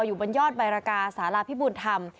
อยู่บนยอดใบรกาสาราพิบูรณธรรม